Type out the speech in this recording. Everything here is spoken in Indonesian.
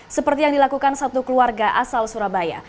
seperti yang dilakukan satu keluarga asal surabaya